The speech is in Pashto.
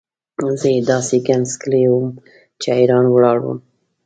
زه یې داسې ګنګس کړی وم چې حیران ولاړ وم.